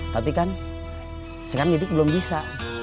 tapi kan sekarang mudik belum bisa